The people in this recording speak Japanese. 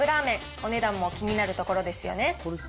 お値段も気になるところですよね。